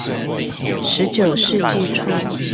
十九世紀初